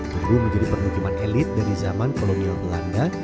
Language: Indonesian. sebelum menjadi pendukiman elit dari zaman kolonial belanda